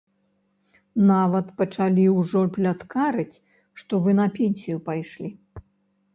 Нават пачалі ўжо пляткарыць, што вы на пенсію пайшлі!